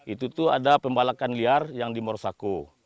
itu tuh ada pembalakan liar yang di morosako